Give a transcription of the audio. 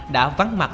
đã vắng mặt